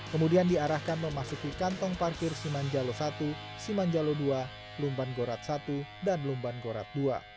kemudian diarahkan memasuki kantong parkir simanjalo satu simanjalo dua lumban gorat satu dan lumban gorat dua